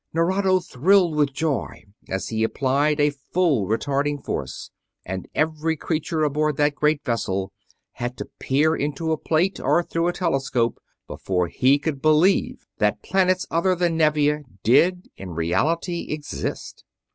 Nerado thrilled with joy as he applied a full retarding force, and every creature aboard that great vessel had to peer into a plate or through a telescope before he could believe that planets other than Nevia did in reality exist!